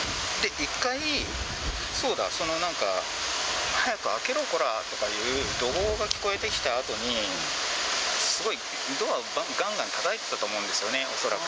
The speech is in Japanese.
１回、そうだ、なんか早く開けろ！こらという怒号が聞こえてきたあとに、すごいドア、がんがんたたいてたと思うんですよね、恐らく。